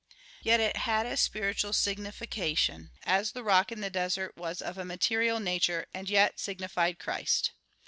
Yet it had a spiritual signification; as the rock in the desert was of a material nature, and yet signified Christ.